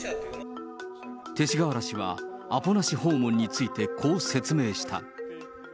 勅使河原氏はアポなし訪問についてこう説明した。